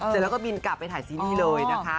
เสร็จแล้วก็บินกลับไปถ่ายซีรีส์เลยนะคะ